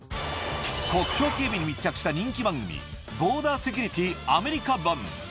国境警備に密着した人気番組、ボーダーセキュリティーアメリカ版。